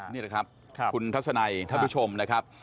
นี่แหละครับคุณทัศนัยท่านผู้ชมนะครับ